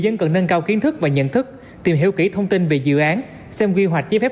dân cần nâng cao kiến thức và nhận thức tìm hiểu kỹ thông tin về dự án xem quy hoạch chế phép